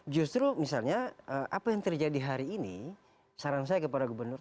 justru misalnya apa yang terjadi hari ini saran saya kepada gubernur